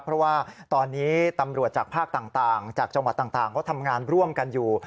เพราะว่าตอนนี้ตำรวจจากภาคต่างจากจังหวัดต่างเขาทำงานร่วมกันอยู่